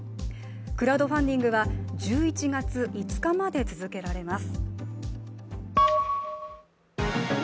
クラウドファンディングは１１月５日まで続けられます。